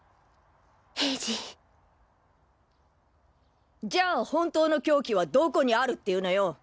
平次じゃあ本当の凶器はどこにあるっていうのよ！？